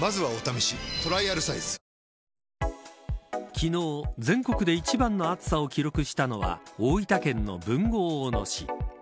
昨日、全国で一番の暑さを記録したのは大分県の豊後大野市。